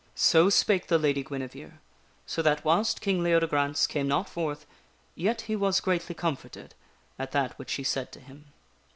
So spake the Lady Guinevere, so that whilst King Leodegrance came not forth, yet he was greatly comforted at that which she said to him.